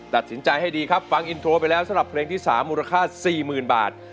ตัดสินใจให้ดีครับฟังอินโทรไปแล้วสำหรับเพลงที่๓มูลค่า๔๐๐๐บาท